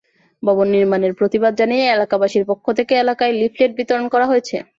ভবন নির্মাণের প্রতিবাদ জানিয়ে এলাকাবাসীর পক্ষ থেকে এলাকায় লিফলেট বিতরণ করা হয়েছে।